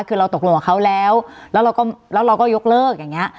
คือเราตกลงกับเขาแล้วแล้วเราก็ยกเลิกอย่างนี้